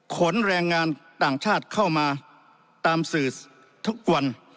ขนแรงงานต่างชาติเข้ามาตามสื่อทุกวัน